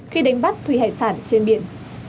khi đánh bắt thủy hải sản trên biển